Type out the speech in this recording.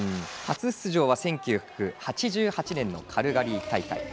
初出場は１９８８年のカルガリー大会。